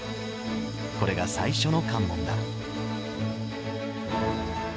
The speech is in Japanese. これが最初の関門だ。